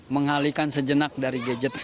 menghalikan sejenak dari gadget